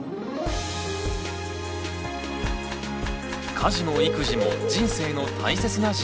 家事も育児も人生の大切な時間。